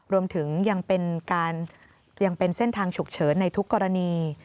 รวมถึงยังเป็นเส้นทางฉุกเฉินในทุกกรณี